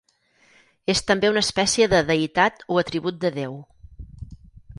És també una espècie de deïtat o atribut de Déu.